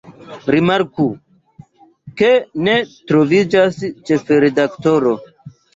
Rimarku, ke ne troviĝas “ĉefredaktoro”.